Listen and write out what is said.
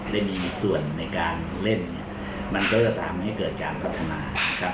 ได้มีมีส่วนในการเล่นมันก็จะทำให้เกิดการพัฒนา